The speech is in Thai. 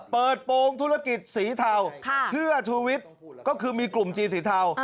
โปรงธุรกิจสีเทาเชื่อชูวิทย์ก็คือมีกลุ่มจีนสีเทา